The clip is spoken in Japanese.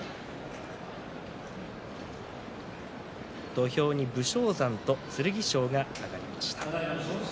土俵に武将山と剣翔が上がりました。